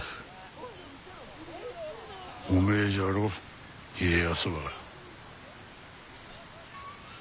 おめえじゃろ家康は。